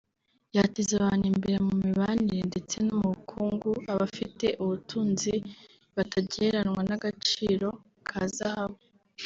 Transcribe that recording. yateza abantu imbere mu mibanire ndetse no mu bukungu aba afite ubutunzi butagereranwa n’agaciro ka zahabu